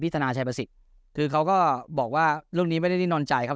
ทนายชัยประสิทธิ์คือเขาก็บอกว่าเรื่องนี้ไม่ได้นิ่งนอนใจครับ